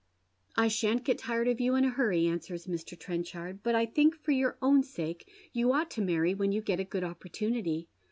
" I shan't get tired of you in a hurry," answers Mr. Trenchard, " but I think for your own sake you ought to marry when you get a good opportunity.